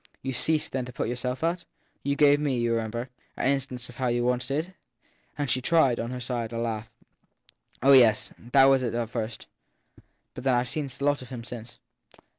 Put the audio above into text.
You ve ceased then to put yourself out ? You gave me, you remember, an instance of how you once did ! And she tried, on her side, a laugh. Oh yes that was at first. But I ve seen such a lot of him since.